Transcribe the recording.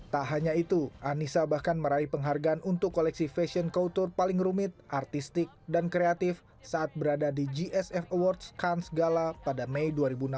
tak hanya itu anissa bahkan meraih penghargaan untuk koleksi fashion couture paling rumit artistik dan kreatif saat berada di gsf awards kans gala pada mei dua ribu enam belas